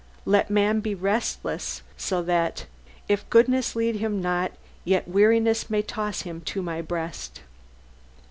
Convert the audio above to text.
Let man be restless, so that "If goodness lead him not, yet weariness May toss him to My breast."